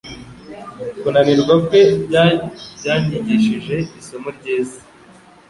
Kunanirwa kwe byanyigishije isomo ryiza.